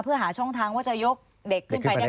เพื่อหาช่องทางว่าจะยกเด็กขึ้นไปได้ไหม